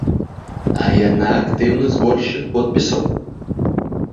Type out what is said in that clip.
А яна актыўны зборшчык подпісаў.